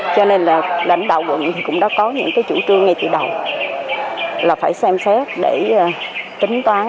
cho nên là lãnh đạo quận thì cũng đã có những cái chủ trương ngay từ đầu là phải xem xét để tính toán